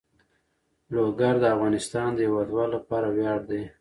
لوگر د افغانستان د هیوادوالو لپاره ویاړ دی.